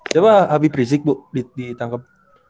coba habis berisik bu ditangkep